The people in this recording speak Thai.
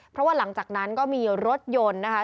เพราะว่าหลังจากนั้นก็มีรถยนต์นะคะ